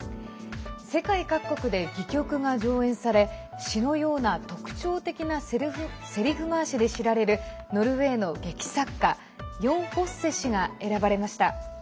世界各国で戯曲が上演され詩のような特徴的なせりふ回しで知られるノルウェーの劇作家ヨン・フォッセ氏が選ばれました。